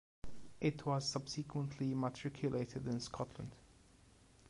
It was subsequently matriculated in Scotland.